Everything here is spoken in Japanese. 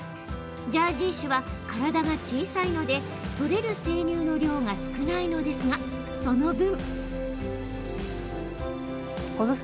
ジャージー種は体が小さいので取れる生乳の量が少ないのですがその分。